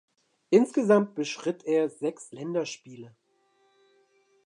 Insgesamt bestritt er sechs Länderspiele.